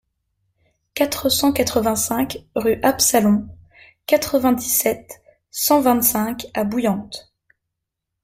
quatre cent quatre-vingt-cinq rue Absalon, quatre-vingt-dix-sept, cent vingt-cinq à Bouillante